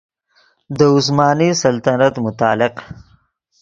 دے عثمانی سلطنت متعلق